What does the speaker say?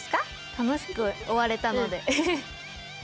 楽しく終われたので。